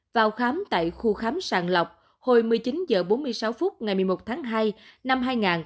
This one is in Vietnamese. vào khám tại khu khám sàng lọc hồi một mươi chín h bốn mươi sáu phút ngày một mươi một tháng hai năm hai nghìn hai mươi